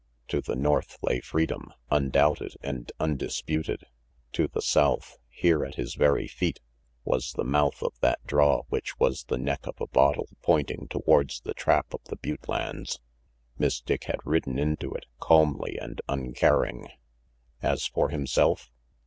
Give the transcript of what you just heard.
To the north lay freedom, undoubted and undisputed. To the south, here at his very feet, was the mouth of that draw which was the neck of a bottle pointing towards the trap of the butte lands. Miss Dick had ridden into it, calmly and uncaring. As for himself?